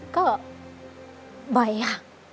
ก็บ่อยค่ะ